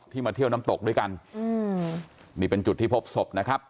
มาเที่ยวน้ำตกด้วยกันอืมนี่เป็นจุดที่พบศพนะครับ